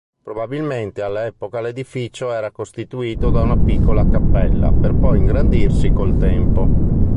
Probabilmente all'epoca l'edificio era costituito da una piccola cappella per poi ingrandirsi col tempo.